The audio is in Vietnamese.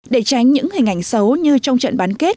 để tránh những hình ảnh xấu như trong trận bán kết